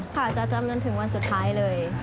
ค่ะจะจำจนถึงวันสุดท้ายเลย